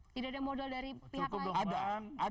tidak ada modal dari pihak